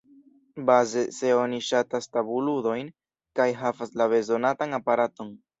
Baze, se oni ŝatas tabulludojn kaj havas la bezonatan aparaton.